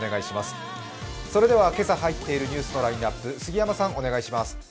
それでは、今朝入っているニュースのラインナップ、杉山さんお願いします。